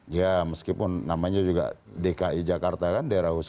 ya meskipun namanya juga dki jakarta kan daerah usaha